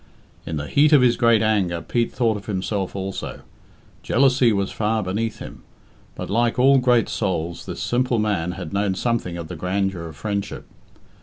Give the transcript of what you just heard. In the heat of his great anger Pete thought of himself also. Jealousy was far beneath him, but, like all great souls, this simple man had known something of the grandeur of friendship.